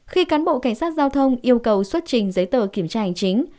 khi cán bộ cảnh sát giao thông yêu cầu xuất trình giấy tờ kiểm tra hành chính